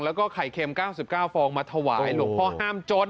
แล้วก็ไข่เค็ม๙๙ฟองมาถวายหลวงพ่อห้ามจด